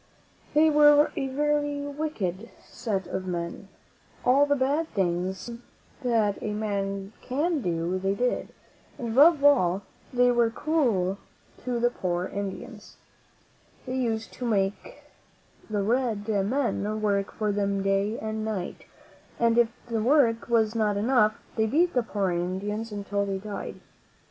They were a very wicked set of men. All the bad things that a man can do they did; but above all, they were cruel to the poor Indians. They used to make the red men work for them day and night, and if the work was not enough, they beat the poor Indians until they died.